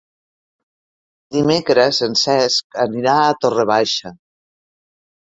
Dimecres en Cesc anirà a Torre Baixa.